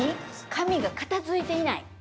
紙が片付いていない？